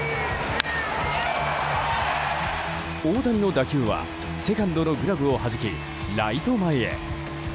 大谷の打球はセカンドのグラブをはじき、ライト前へ。